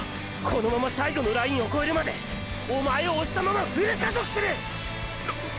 このまま最後のラインを越えるまでおまえを押したままフル加速する！！ッ！